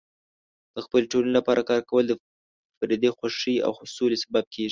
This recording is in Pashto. د خپلې ټولنې لپاره کار کول د فردي خوښۍ او د سولې سبب کیږي.